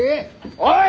おい！